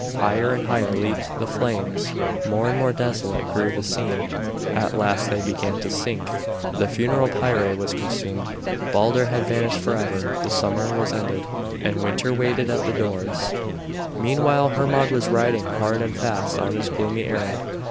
Higher and higher leaped the flames, more and more desolate grew the scene; at last they began to sink, the funeral pyre was consumed. Balder had vanished forever, the summer was ended, and winter waited at the doors. Meanwhile Hermod was riding hard and fast on his gloomy errand.